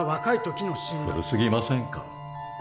古すぎませんか？